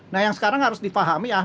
nah yang sekarang harus dipahami